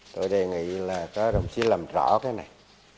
tôi đề nghị là các đồng chí làm rõ cái này